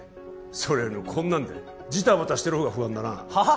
それよりこんなんでジタバタしてる方が不安だなはあ？